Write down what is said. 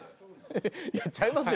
ちゃいますよ